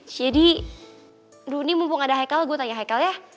jadi dulu nih mumpung ada haikal gue tanya haikal ya